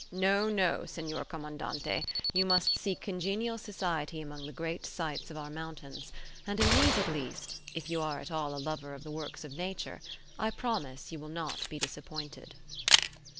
No, no, senor commandante, you must seek congenial society among the great sights of our mountains; and in these at least, if you are at all a lover of the works of nature, I promise you will not be disappointed."